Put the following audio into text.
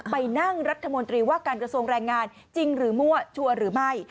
ไปนั่งรัฐมนตรีว่าการกระทรวงแรงงานจริงหรือมั่วชัวร์หรือไม่